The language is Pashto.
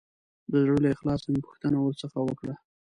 د زړه له اخلاصه مې پوښتنه ورڅخه وکړه.